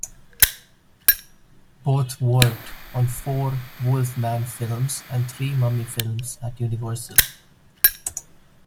Both worked on four Wolf Man films and three Mummy films at Universal.